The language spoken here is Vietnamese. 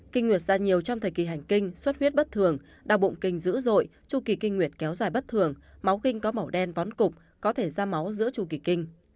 kinh nguyệt ra nhiều trong thời kỳ hành kinh suất huyết bất thường đau bụng kinh dữ dội tru kỳ kinh nguyệt kéo dài bất thường máu kinh có màu đen vón cục có thể ra máu giữa chu kỳ kinh